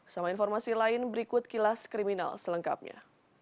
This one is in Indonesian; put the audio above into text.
sama informasi lain berikut kilas kriminal selengkapnya